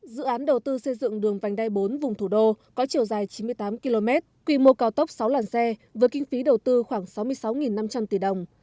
dự án đầu tư xây dựng đường vành đai bốn vùng thủ đô có chiều dài chín mươi tám km quy mô cao tốc sáu làn xe với kinh phí đầu tư khoảng sáu mươi sáu năm trăm linh tỷ đồng